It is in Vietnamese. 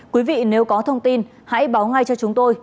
quý vị nếu có thông tin hãy báo ngay cho chúng tôi